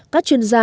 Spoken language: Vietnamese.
các chuyên gia